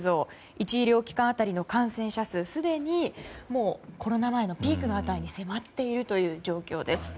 １医療機関当たりの感染者数すでにコロナ前のピークの値に迫っているという状況です。